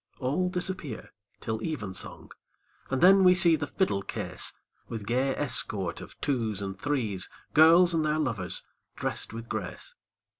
All disappear till evensong, And then we see the fiddle case, With gay escort of twos and threes, Girls and their lovers drest with grace.